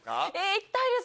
行きたいです！